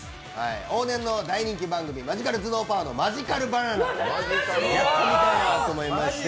往年の人気番組「マジカル頭脳パワー！！」のマジカルバナナをやってみたいなと思いまして。